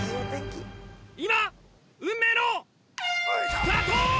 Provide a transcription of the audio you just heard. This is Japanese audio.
今運命のスタート！